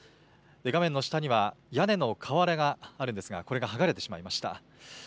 画面の下には屋根の瓦があるんですが、これが剥がれてしまいました。